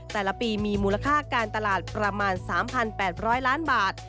แต่ละปีมีมูลค่าการตลาดประมาณ๓๘๐๐ล้านบาท